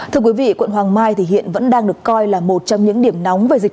thưa quý vị quận hoàng mai thì hiện vẫn đang được coi là một trong những điểm nóng về dịch